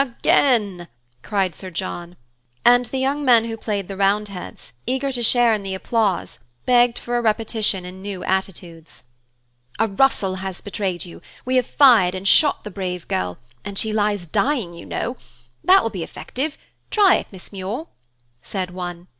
Again!" called Sir John. And the young men who played the Roundheads, eager to share in the applause begged for a repetition in new attitudes. "A rustle has betrayed you, we have fired and shot the brave girl, and she lies dying, you know. That will be effective; try it, Miss Muir," said one.